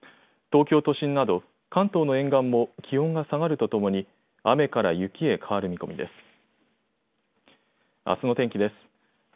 東京都心など関東の沿岸も気温が下がるとともに雨から雪へ変わる見込みです。